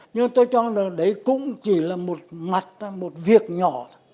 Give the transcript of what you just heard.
nhưng tôi cho rằng đấy cũng chỉ là một mặt một việc nhỏ thôi